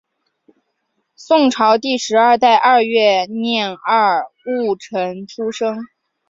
宋朝第十三代二月廿二戊辰出生。